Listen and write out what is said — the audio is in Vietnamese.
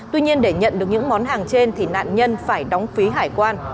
tuy nhiên để nhận được những món hàng trên thì nạn nhân phải đóng phí hải quan